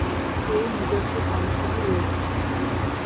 এর নিজস্ব সংস্কৃতি রয়েছে।